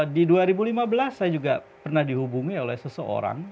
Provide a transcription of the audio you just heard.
di dua ribu lima belas saya juga pernah dihubungi oleh seseorang